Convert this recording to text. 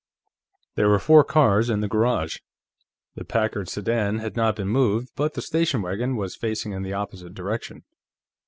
There were four cars in the garage. The Packard sedan had not been moved, but the station wagon was facing in the opposite direction.